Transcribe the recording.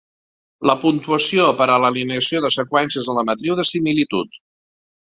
La puntuació per a l'alineació de seqüències a la matriu de similitud.